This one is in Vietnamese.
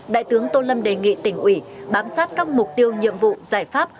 đại tướng tô lâm đề nghị tỉnh ủy bám sát các mục tiêu nhiệm vụ giải pháp